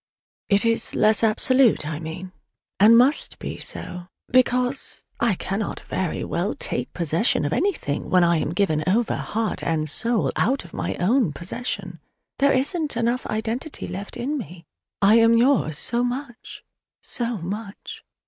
It is less absolute, I mean; and must be so, because I cannot very well take possession of anything when I am given over heart and soul out of my own possession: there isn't enough identity left in me, I am yours so much, so much!